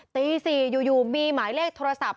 ตี๔อยู่มีหมายเลขโทรศัพท์